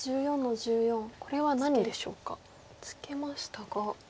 これは何でしょうかツケましたが。